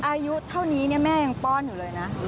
อายุเท่านี้แม่ยังป้อนอยู่เลยนะ